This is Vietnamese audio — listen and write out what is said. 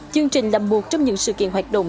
chương trình là một trong những sự kiện hoạt động